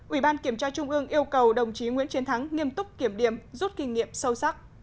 ubnd yêu cầu đồng chí nguyễn chiến thắng nghiêm túc kiểm điểm rút kinh nghiệm sâu sắc